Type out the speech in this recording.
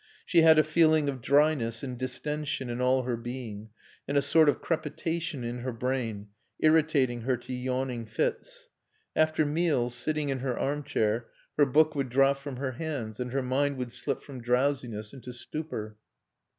She had a feeling of dryness and distension in all her being, and a sort of crepitation in her brain, irritating her to yawning fits. After meals, sitting in her armchair, her book would drop from her hands and her mind would slip from drowsiness into stupor.